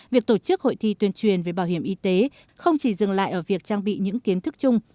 việc tổ chức hội thi tuyên truyền về bảo hiểm y tế không chỉ dừng lại ở việc trang bị những kiến thức chung